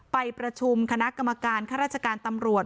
ไปประชุมคณะกรรมการข้าราชการตำรวจ